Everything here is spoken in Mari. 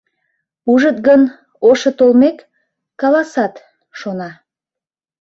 Ужыт гын, ошо толмек, каласат, шона.